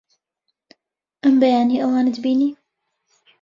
ئەم بەیانییە ئەوانت بینی؟